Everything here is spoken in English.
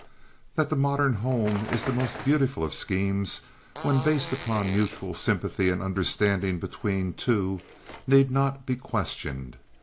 That the modern home is the most beautiful of schemes, when based upon mutual sympathy and understanding between two, need not be questioned.